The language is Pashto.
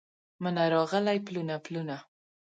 مني راغلي پلونه، پلونه